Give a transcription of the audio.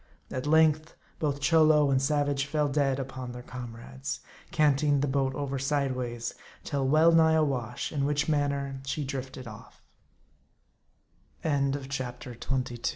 At length both Cholo and savage fell dead upon their comrades, canting the boat over side ways, till well nigh awash ; in which manner she drifted of